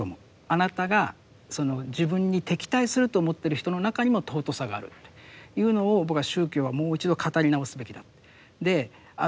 あなたが自分に敵対すると思ってる人の中にも尊さがあるというのを僕は宗教はもう一度語り直すべきだ。